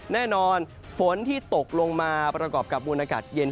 แน่นอนฝนที่ตกลงมาประกอบกับมูลอากาศเย็น